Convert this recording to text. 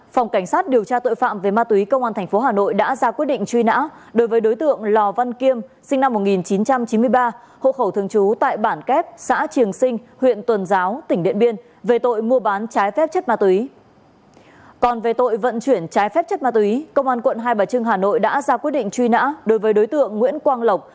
phép chất ma túy công an quận hai bà trưng hà nội đã giao quyết định truy nã đối với đối tượng nguyễn quang lộc